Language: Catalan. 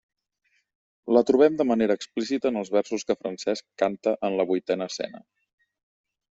La trobem de manera explícita en els versos que Francesc canta en la vuitena escena.